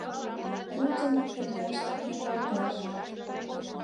Пӱтынь тӱняш йоҥгалтеш.